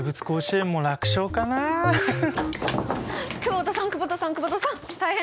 久保田さん久保田さん久保田さん大変です！